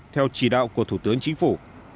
theo chỉ đạo của thủ tướng chính phủ